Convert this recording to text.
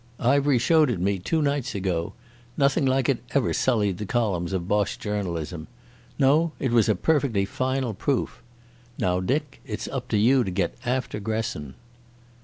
Ivery showed it me two nights ago. Nothing like it ever sullied the columns of Boche journalism. No, it was a perfectly final proof.... Now, Dick, it's up to you to get after Gresson."